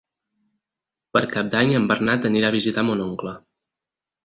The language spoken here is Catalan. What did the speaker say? Per Cap d'Any en Bernat anirà a visitar mon oncle.